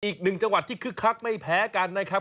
อีกหนึ่งจังหวัดที่คึกคักไม่แพ้กันนะครับ